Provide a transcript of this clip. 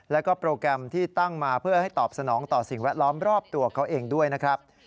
แล้วก็โปรแกรมที่ตั้งมาเพื่อให้ตอบสนองต่อสิ่งแวดล้อมรอบตัวเขาเองด้วยนะครับ